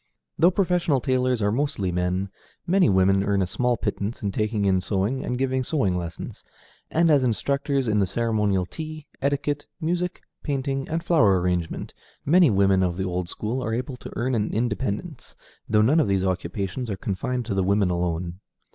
Though professional tailors are mostly men, many women earn a small pittance in taking in sewing and in giving sewing lessons; and as instructors in the ceremonial tea, etiquette, music, painting, and flower arrangement, many women of the old school are able to earn an independence, though none of these occupations are confined to the women alone.